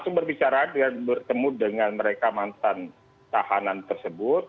langsung berbicara dengan bertemu dengan mereka mantan tahanan tersebut